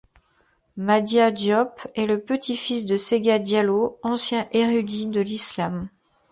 Madia Diop est le petit-fils de Sega Diallo, ancien herudi de l'islam.